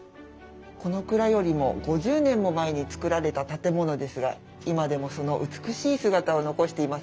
この蔵よりも５０年も前に造られた建物ですが今でもその美しい姿を残していますよね。